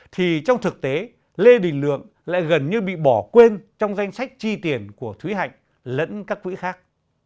thì trong thực tế lê đình lượng lại gần như bị bỏ quên trong danh sách chi tiền của thúy hạnh lẫn các quỹ khác